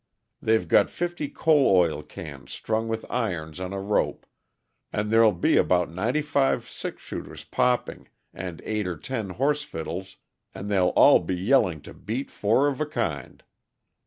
"They've got fifty coal oil cans strung with irons on a rope, and there'll be about ninety five six shooters popping, and eight or ten horse fiddles, and they'll all be yelling to beat four of a kind.